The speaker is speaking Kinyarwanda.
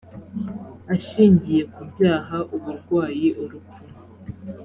ashingiye kubyaha, uburwayi, urupfu